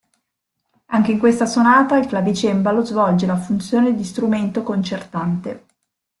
Anche in questa sonata il clavicembalo svolge la funzione di strumento concertante.